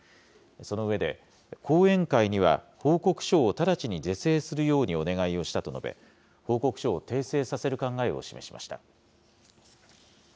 その上で、後援会には報告書を直ちに是正するようにお願いをしたと述べ、報告書を訂正させる考えを示しました。